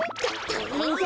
たいへんだ。